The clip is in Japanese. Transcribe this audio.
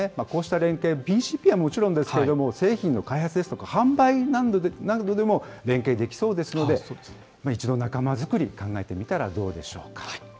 こうした連携、ＢＣＰはもちろんですけれども、製品の開発ですとか、販売などでも連携できそうですので、一度、仲間作り考えてみたらどうでしょうか。